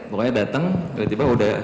pokoknya datang tiba tiba udah